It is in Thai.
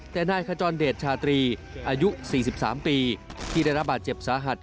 แต่นายขจรเดชชาตรีอายุ๔๓ปีที่ได้รับบาดเจ็บสาหัส